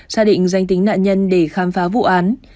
xác định danh tính nạn nhân để khám phá vụ án